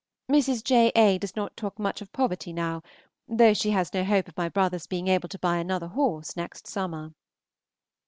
Mrs. J. A. does not talk much of poverty now, though she has no hope of my brother's being able to buy another horse next summer.